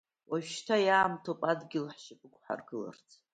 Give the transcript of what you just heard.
Уажәшьҭа иаамҭоуп Адгьыл ҳшьапы ықәҳаргыларц.